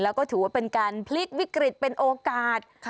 แล้วก็ถือว่าเป็นการพลิกวิกฤตเป็นโอกาส